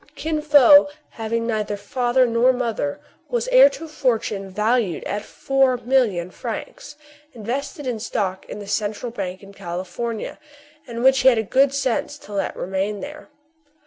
Kin Fo, having neither father nor mother, was heir to a fortune valued at four million francs, invested in stock in the Central Bank in Califor nia, and which he had the good sense to let remain there.